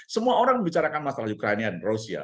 semua orang membicarakan masalah ukraina dan rusia